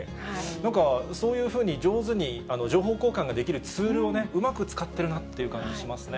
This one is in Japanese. なんか、そういうふうに上手に情報交換ができるツールをね、うまく使っているなという感じしますね。